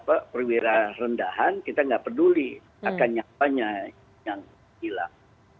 kalau perwira rendahan kita nggak peduli akan nyatanya yang hilang